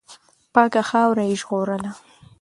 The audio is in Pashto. پاکه خاوره یې ژغورله.